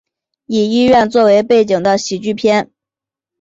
以医院作为背景之喜剧片。